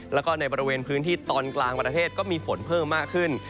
แล้วก็ในบริเวณพื้นที่ตอนกลางประเทศก็มีฝนเพิ่มมากขึ้น